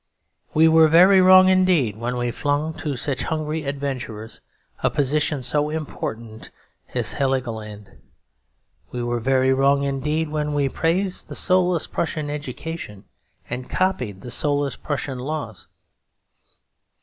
We were very wrong indeed when we flung to such hungry adventurers a position so important as Heligoland. We were very wrong indeed when we praised the soulless Prussian education and copied the soulless Prussian laws.